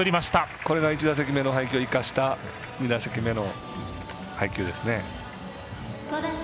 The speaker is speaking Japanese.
これが１打席目の配球を生かした２打席目の配球ですね。